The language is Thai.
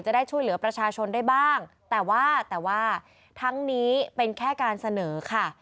จะได้ช่วยเหลือประชาชนได้บ้างแต่ว่าแต่ว่าทั้งนี้เป็นแค่การเสนอค่ะ